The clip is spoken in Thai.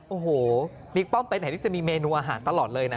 โอ้โหบิ๊กป้อมไปไหนที่จะมีเมนูอาหารตลอดเลยนะ